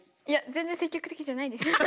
いや全然積極的じゃないです。